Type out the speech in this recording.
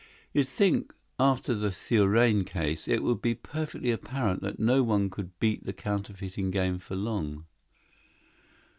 You'd think, after the Thurene case, it would be perfectly apparent that no one could beat the counterfeiting game for long."